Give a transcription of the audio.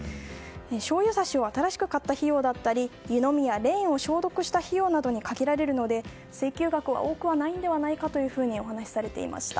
醤油さしを新しく買った費用だったり湯飲みやレーンを消毒した費用などに限られるので請求額は多くないのではないかとお話しされていました。